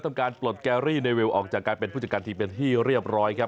การปลดแกรี่ในวิวออกจากการเป็นผู้จัดการทีมเป็นที่เรียบร้อยครับ